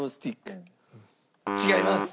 違います。